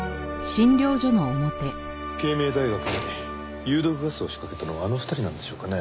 慶明大学に有毒ガスを仕掛けたのはあの２人なんでしょうかね？